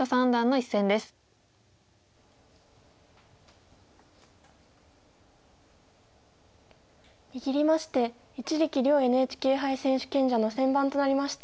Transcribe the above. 一力遼ＮＨＫ杯選手権者の先番となりました。